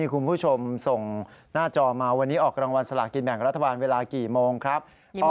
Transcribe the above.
คุณผู้ชมส่งหน้าจอมาวันนี้ออกรางวัลสลากินแบ่งรัฐบาลเวลากี่โมงครับ